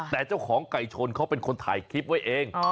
แต่เจ้าของไก่ชนเขาเป็นคนถ่ายคลิปไว้เอง